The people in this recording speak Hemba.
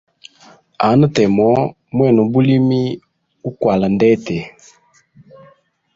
Hanha temo gwene ubulimi uklwala ndete.